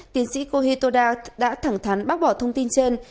tiến sĩ kohito da đã thẳng thắn bác bỏ thông tin trên